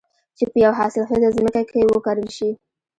چې په يوه حاصل خېزه ځمکه کې وکرل شي.